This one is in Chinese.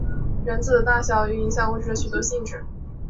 原子的大小与影响物质的许多性质。